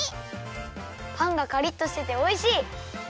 パンがカリッとしてておいしい！